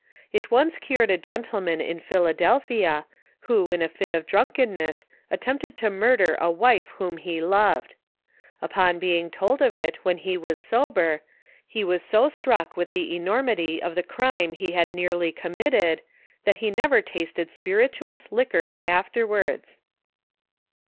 It once cured a gentleman in Philadelphia, who in a fit of drunk enness, attempted to murder a wife whom he loved. — Upon being told of it when he was sober, he was so struck with the enormity of the crime he had nearly committed, that he never tasted spiritous liquors afterwards.